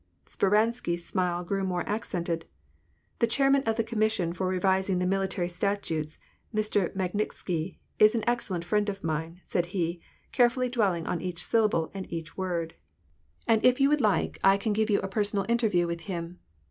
Speransky's smile grew more accented. " The chairman of the Commission for Revising the Military Statutes, Mr. Magnitsky, is an excellent friend of mine," said he, carefully dwelling on each syllable and each word. " And ' WAR AND PEACE, 169 if you would like, I can give you a personal interview with him."